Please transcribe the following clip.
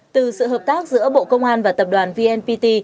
từ sự hợp tác giữa bộ công an và tập đoàn vnpt